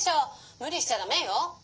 むりしちゃダメよ。